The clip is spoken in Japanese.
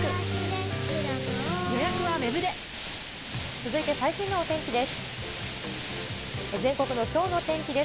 続いて最新のお天気です。